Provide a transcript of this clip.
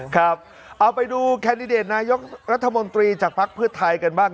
ครับเอาไปดูแคนดิเดตนายกรัฐมนตรีจากภักดิ์เพื่อไทยกันบ้าง